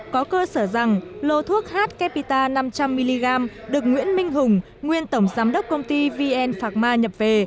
có cơ sở rằng lô thuốc h capita năm trăm linh mg được nguyễn minh hùng nguyên tổng giám đốc công ty vn phạc ma nhập về